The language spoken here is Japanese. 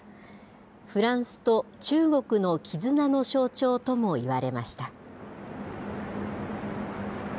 フランスと中国の絆の象徴とも言われました。